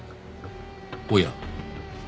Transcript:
おや？